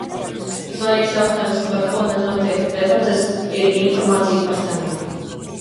Svarīgs jautājums, par ko nenotiek debates, ir informācija par cenām.